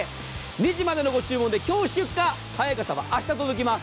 ２時までのご注文で今日出荷早い方は明日届きます。